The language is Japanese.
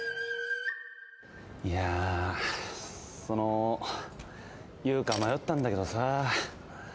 いやそのう言うか迷ったんだけどさ。